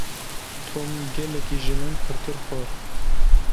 Tom gelekî ji min pirtir xwar.